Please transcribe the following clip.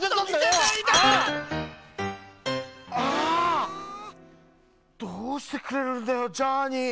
ああどうしてくれるんだよジャーニー。